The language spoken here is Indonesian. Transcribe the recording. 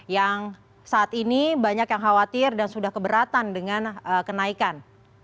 yang saat ini banyak yang khawatir dan sudah keberatan dengan kenaikan